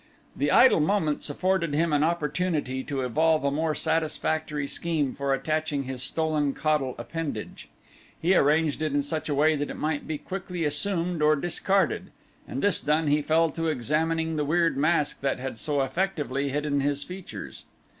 The idle moments afforded him an opportunity to evolve a more satisfactory scheme for attaching his stolen caudal appendage. He arranged it in such a way that it might be quickly assumed or discarded, and this done he fell to examining the weird mask that had so effectively hidden his features.